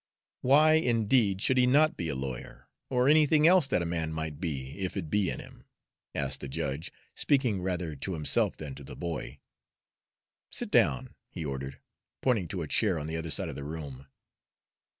"Why, indeed, should he not be a lawyer, or anything else that a man might be, if it be in him?" asked the judge, speaking rather to himself than to the boy. "Sit down," he ordered, pointing to a chair on the other side of the room.